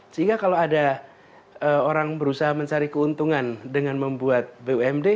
sehingga kalau ada orang berusaha mencari keuntungan dengan membuat bumd